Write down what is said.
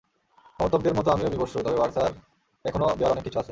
সমর্থকদের মতো আমিও বিমর্ষ, তবে বার্সার এখনো দেওয়ার অনেক কিছু আছে।